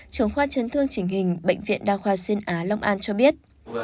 trường khoa chấn thương trình hình bệnh viện đa khoa xuyên á long an cho biết